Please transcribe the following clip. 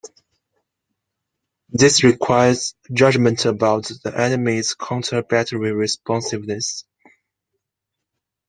This requires judgement about the enemy's counter-battery responsiveness.